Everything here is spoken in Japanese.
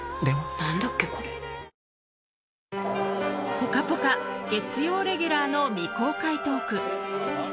「ぽかぽか」月曜レギュラーの未公開トーク。